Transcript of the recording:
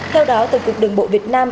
theo đó tổng cục đường bộ việt nam